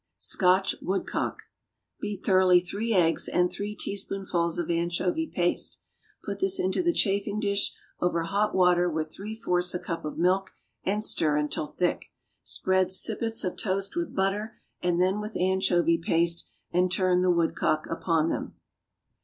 =Scotch Woodcock.= Beat thoroughly three eggs and three teaspoonfuls of anchovy paste. Put this into the chafing dish over hot water with three fourths a cup of milk and stir until thick. Spread sippets of toast with butter and then with anchovy paste, and turn the woodcock upon them.